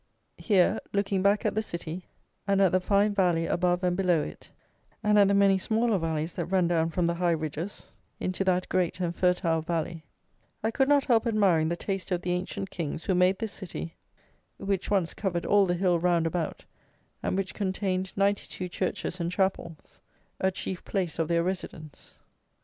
Here, looking back at the city and at the fine valley above and below it, and at the many smaller valleys that run down from the high ridges into that great and fertile valley, I could not help admiring the taste of the ancient kings who made this city (which once covered all the hill round about, and which contained 92 churches and chapels) a chief place of their residence.